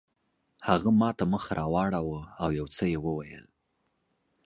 هغه ماته مخ راواړاوه او یو څه یې وویل.